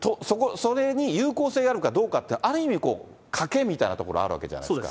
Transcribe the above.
それに有効性があるかどうかって、ある意味、賭けみたいなところあるわけじゃないですか。